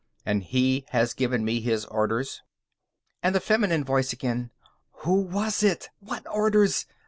And he has given me his orders._ And the feminine voice again: _Who was it? What orders?